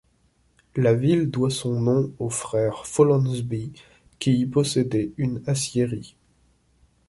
La ville doit son nom aux frères Follansbee, qui y possédaient une aciérie.